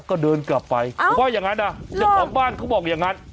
ก็เดินกลับไปเอาว่าอย่างงั้นอ่ะออกบ้านเขาบอกอย่างงั้น